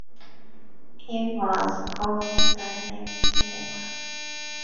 It was called Direct Cinema.